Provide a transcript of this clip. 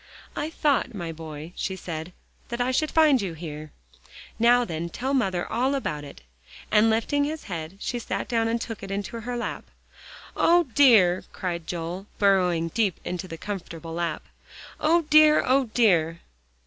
"I thought, my boy," she said, "that I should find you here. Now then, tell mother all about it," and lifting his head, she sat down and took it into her lap. "O dear!" cried Joel, burrowing deep in the comfortable lap, "O dear O dear!"